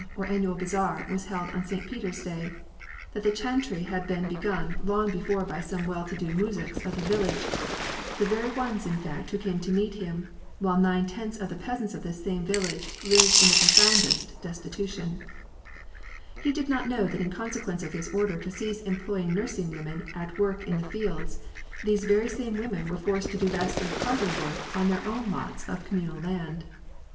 or annual bazaar was held on Saint PetePs day ; that the chantry had been begun long before by some well to do muzhiks of the village, the very ones in fact who came to meet him, while nine tenths of the peasants of this same village lived in the profoundest destitution^ He did not know that in consequence of his order to cease em ploying nursing women at work on his fields, these very same women were forced to do vastly harder work on their own lots of communal land.